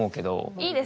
「いいですね」